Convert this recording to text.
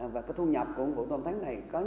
và cái thu nhập của vụ tôm thánh này có nhiều